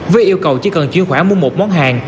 với yêu cầu chỉ cần chuyển khoản mua một món hàng